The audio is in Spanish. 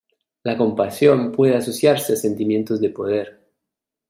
La compasión puede asociarse a sentimientos de poder.